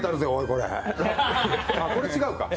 これは違うか。